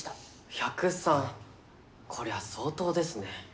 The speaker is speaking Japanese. １０３こりゃ相当ですね。